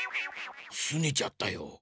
すねちゃったよ。